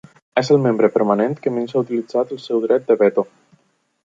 És el membre permanent que menys ha utilitzat el seu dret de veto.